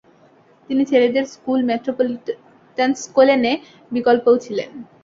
তিনি ছেলেদের স্কুল মেট্রোপলিটানস্কোলেনে বিকল্পও ছিলেন।